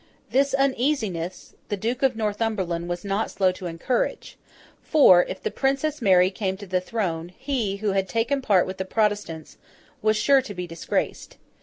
This uneasiness, the Duke of Northumberland was not slow to encourage: for, if the Princess Mary came to the throne, he, who had taken part with the Protestants, was sure to be disgraced.